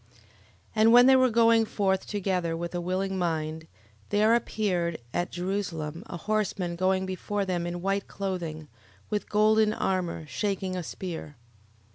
11:8. And when they were going forth together with a willing mind, there appeared at Jerusalem a horseman going before them in white clothing, with golden armour, shaking a spear.